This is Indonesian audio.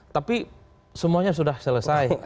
tapi semuanya sudah selesai